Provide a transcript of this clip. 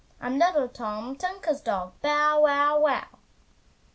"I'm little Tom Tinker's dog, Bow, wow, wow!"